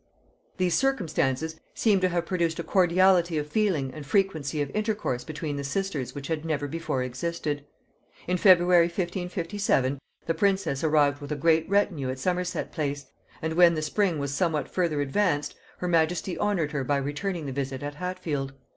These circumstances seem to have produced a cordiality of feeling and frequency of intercourse between the sisters which had never before existed. In February 1557 the princess arrived with a great retinue at Somerset Place, and went thence to wait upon the queen at Whitehall; and when the spring was somewhat further advanced, her majesty honored her by returning the visit at Hatfield.